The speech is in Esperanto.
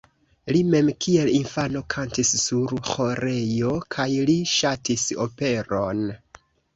Li mem kiel infano kantis sur ĥorejo kaj li ŝatis operon.